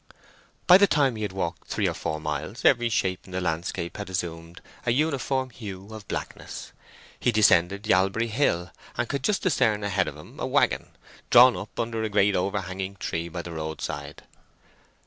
By the time he had walked three or four miles every shape in the landscape had assumed a uniform hue of blackness. He descended Yalbury Hill and could just discern ahead of him a waggon, drawn up under a great over hanging tree by the roadside.